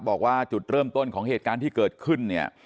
บอกว่าจุดเริ่มต้นของเหตุการณ์ที่เกิดขึ้นเนี่ย